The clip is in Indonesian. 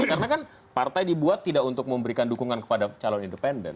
karena kan partai dibuat tidak untuk memberikan dukungan kepada calon independen